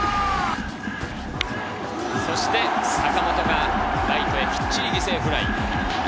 そして坂本がライトへきっちり犠牲フライ。